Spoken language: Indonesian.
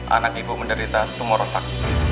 anak ibu menderita tumor retak